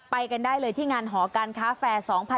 ไปกันได้เลยที่งานหอการค้าแฟร์๒๕๖๒